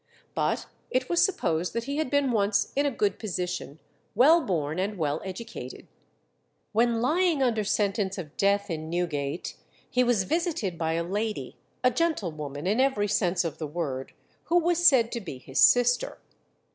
But it was supposed that he had been once in a good position, well born, and well educated. When lying under sentence of death in Newgate, he was visited by a lady, a gentlewoman in every sense of the word, who was said to be his sister.